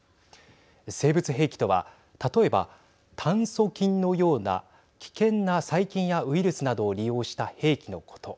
生物兵器とは例えば、炭そ菌のような危険な細菌やウイルスなどを利用した兵器のこと。